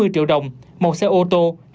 năm trăm tám mươi triệu đồng một xe ô tô